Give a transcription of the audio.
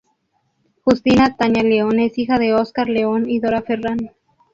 Justina Tania León es hija de Oscar León y Dora Ferrán.